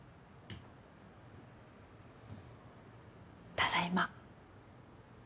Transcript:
ただいま。